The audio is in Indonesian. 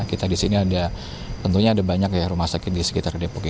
kita di sini ada tentunya ada banyak ya rumah sakit di sekitar depok